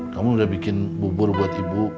kamu udah bikin bubur buat ibu